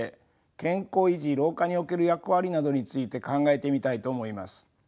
健康維持老化における役割などについて考えてみたいと思います。